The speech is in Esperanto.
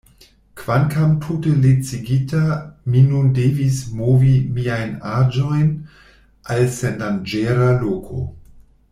Kvankam tute lacigita, mi nun devis movi miajn aĵojn al sendanĝera loko.